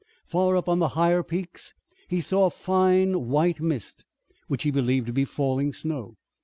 Far up on the higher peaks he saw a fine white mist which he believed to be falling snow.